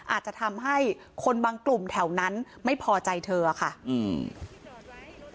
อาจจะทำให้คนบางกลุ่มแถวนั้นไม่พอใจเธอค่ะอืม